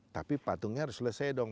tapi patungnya harus selesai dong